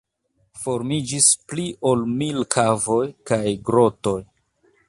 Formiĝis pli ol mil kavoj kaj grotoj.